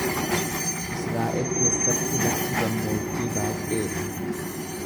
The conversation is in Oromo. Israa’el keessatti lafti gammoojjii baay’ee dha.